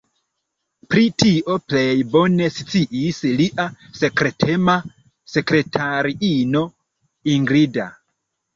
Pri tio plej bone sciis lia sekretema sekretariino Ingrida.